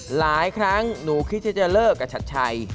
หลายครั้งหนูคิดที่จะเลิกกับชัดชัย